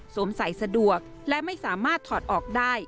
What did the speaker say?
ใส่สะดวกและไม่สามารถถอดออกได้